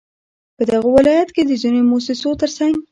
په دغه ولايت كې د ځينو مؤسسو ترڅنگ